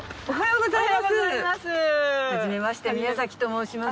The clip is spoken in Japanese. おはようございます。